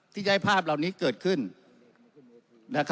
ที่จะให้ภาพเหล่านี้เกิดขึ้น